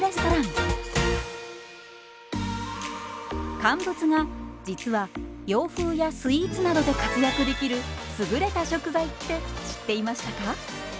乾物が実は洋風やスイーツなどで活躍できる優れた食材って知っていましたか？